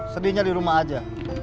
sedihnya di rumah aja